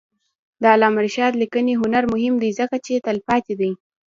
د علامه رشاد لیکنی هنر مهم دی ځکه چې تلپاتې دی.